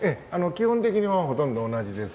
基本的にはほとんど同じです。